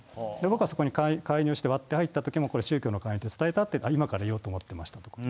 僕はそこに介入して割って入ったときも、これ、宗教の勧誘と伝えたって今から言おうと思ってましたと。